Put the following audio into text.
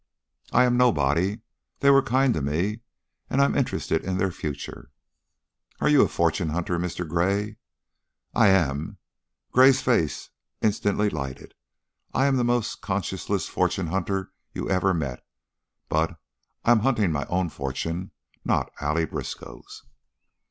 "I am nobody. They were kind to me and I'm interested in their future." "Are you a fortune hunter, Mr. Gray?" "I am." Gray's face instantly lighted. "I am the most conscienceless fortune hunter you ever met, but I am hunting my own fortune, not Allie Briskow's."